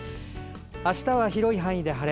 あしたは広い範囲で晴れ。